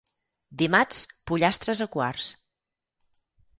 Dimarts, pollastres a quarts.